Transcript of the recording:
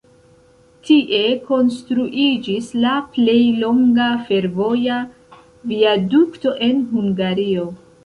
Tie konstruiĝis la plej longa fervoja viadukto en Hungario.